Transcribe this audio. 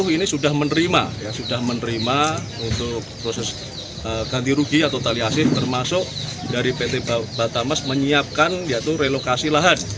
empat ratus lima puluh ini sudah menerima sudah menerima untuk proses ganti rugi atau tali asli termasuk dari pt batamas menyiapkan yaitu relokasi lahan